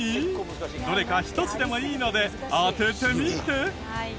どれか１つでもいいので当ててみて。